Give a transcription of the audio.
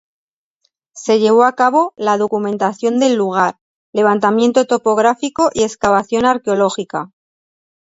Se llevó a cabo la documentación del lugar, levantamiento topográfico y excavación arqueológica.